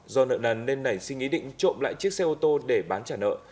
do nợ nần nên nảy sinh ý định trộm lại chiếc xe ô tô để bán trả nợ